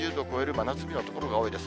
真夏日の所が多いです。